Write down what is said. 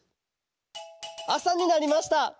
あさになりました。